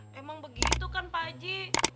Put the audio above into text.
ya emang begitu kan pak haji